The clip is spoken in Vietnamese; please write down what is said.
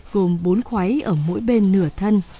gồm bốn khoái ở mỗi bên nửa thân